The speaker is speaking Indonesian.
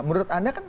menurut anda kan